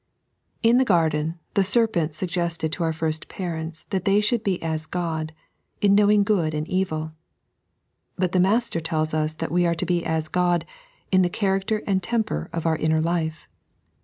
IN the garden the serpent suggested to our first parents that th«y should be as Qod, in knowing good and evil ; but the Master tells ua that we are to be ae Qod, in the character and temper of our inner life.